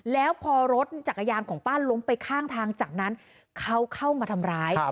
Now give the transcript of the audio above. แล้วพอรถจักรยานของป้าล้มไปข้างทางจากนั้นเขาเข้ามาทำร้าย